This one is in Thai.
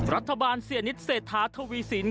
รัฐบาลเซียนิทเศรษฐาทวีสิน